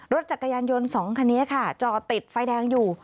รถจักรยานยนต์๒คันนี้ค่ะจอดติดไฟแดงอยู่